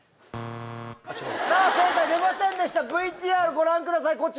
正解出ませんでしたＶＴＲご覧ください！